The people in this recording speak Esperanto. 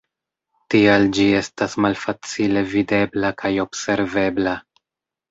Tial ĝi estas malfacile videbla kaj observebla.